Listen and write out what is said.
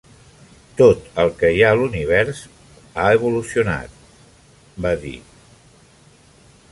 "Tot el que hi ha a l'univers ha evolucionat", va dir.